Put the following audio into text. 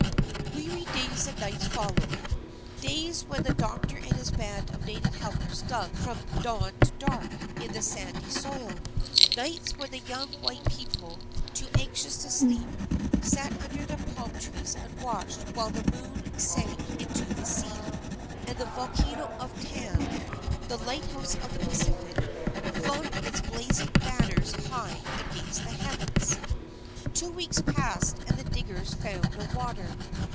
Weary days and nights followed; days when the doctor and his band of native helpers dug from dawn to dark in the sandy soil; nights when the young white people, too anxious to sleep, sat under their palm trees and watched while the moon sank into the sea, and the volcano of Tann, "the lighthouse of the Pacific," flung its blazing banners high against the heavens. Two weeks passed and the diggers found no water.